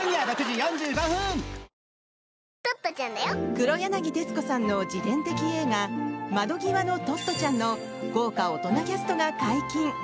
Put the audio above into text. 黒柳徹子さんの自伝的映画「窓ぎわのトットちゃん」の豪華大人キャストが解禁！